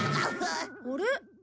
あれ？